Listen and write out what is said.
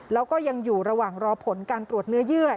แล้วก็ยังอยู่ระหว่างรอผลการตรวจเนื้อเยื่อ